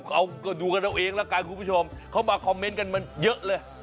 เอาก็ดูกันเอาเองละกันคุณผู้ชมเข้ามาคอมเมนต์กันมันเยอะเลย